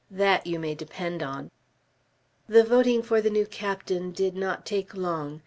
That you may depend on." The voting for the new captain did not take long.